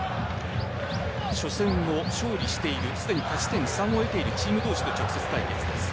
初戦を勝利しているすでに勝ち点３を得ているチーム同士の直接対決です。